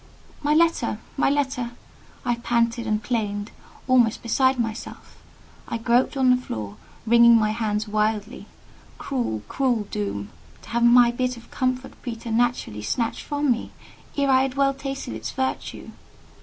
"My letter! my letter!" I panted and plained, almost beside myself. I groped on the floor, wringing my hands wildly. Cruel, cruel doom! To have my bit of comfort preternaturally snatched from me, ere I had well tasted its virtue!